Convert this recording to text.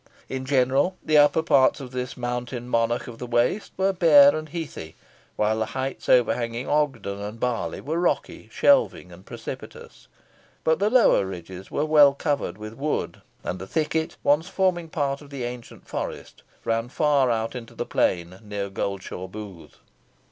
In general, the upper parts of this mountain monarch of the waste were bare and heathy, while the heights overhanging Ogden and Barley were rocky, shelving, and precipitous; but the lower ridges were well covered with wood, and a thicket, once forming part of the ancieut forest, ran far out into the plain near Goldshaw Booth.